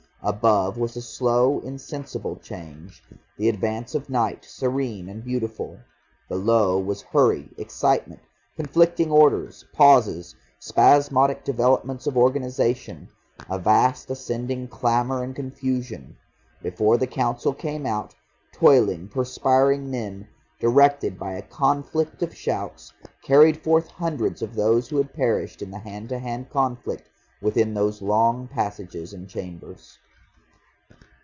Above was a slow insensible change, the advance of night serene and beautiful; below was hurry, excitement, conflicting orders, pauses, spasmodic developments of organisation, a vast ascending clamour and confusion. Before the Council came out, toiling perspiring men, directed by a conflict of shouts, carried forth hundreds of those who had perished in the hand to hand conflict within those long passages and chambers....